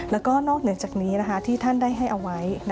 แล้วก็นอกเหนือจากนี้ที่ท่านได้ให้เอาไว้